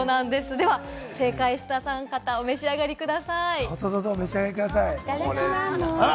では正解したおさん方、召し上がりください。